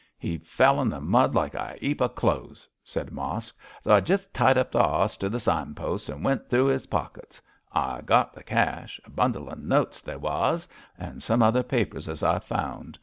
'He fell in the mud like a 'eap of clothes,' said Mosk, 'so I jus' tied up the 'oss to the sign post, an' went through his pockets. I got the cash a bundle of notes, they wos and some other papers as I found.